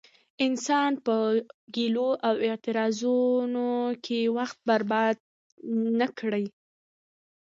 انسان په ګيلو او اعتراضونو کې وخت برباد نه کړي.